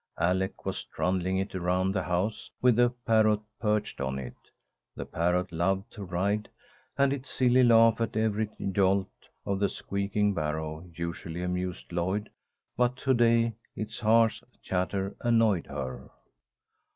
Alec was trundling it around the house, with the parrot perched on it. The parrot loved to ride, and its silly laugh at every jolt of the squeaking barrow usually amused Lloyd, but to day its harsh chatter annoyed her.